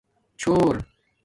چھݸر